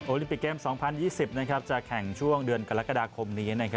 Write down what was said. ลิปิกเกม๒๐๒๐จะแข่งช่วงเดือนกรกฎาคมนี้